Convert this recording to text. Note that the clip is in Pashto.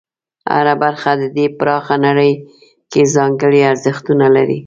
هره برخه د دې پراخه نړۍ کې ځانګړي ارزښتونه لري.